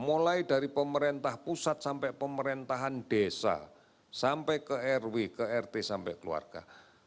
mulai dari pemerintah pusat sampai pemerintahan desa sampai ke rw ke rt sampai keluarga